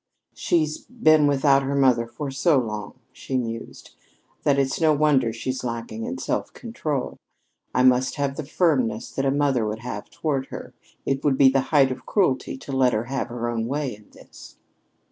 "She's been without her mother for so long," she mused, "that it's no wonder she's lacking in self control. I must have the firmness that a mother would have toward her. It would be the height of cruelty to let her have her own way in this."